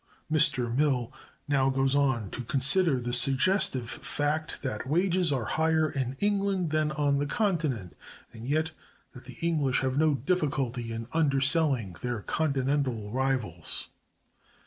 Mr. Mill now goes on to consider the suggestive fact that wages are higher in England than on the Continent, and yet that the English have no difficulty in underselling their Continental rivals.